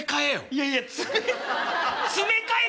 いやいや詰め詰め替え